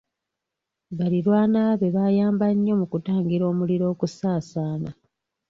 Baliraanwa be baayamba nnyo mu kutangira omuliro okusaasaana.